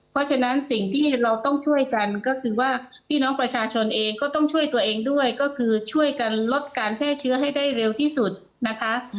เพราะฉะนั้นสิ่งที่เราต้องช่วยกันก็คือว่าพี่น้องประชาชนเองก็ต้องช่วยตัวเองด้วยก็คือช่วยกันลดการแพร่เชื้อให้ได้เร็วที่สุดนะคะ